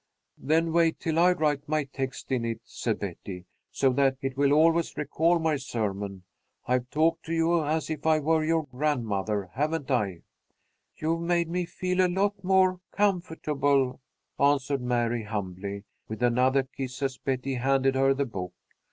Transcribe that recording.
"Then wait till I write my text in it," said Betty, "so that it will always recall my sermon. I've talked to you as if I were your grandmother, haven't I?" "You've made me feel a lot more comfortable," answered Mary, humbly, with another kiss as Betty handed her the book.